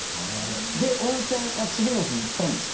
で温泉は次の日行ったんですか？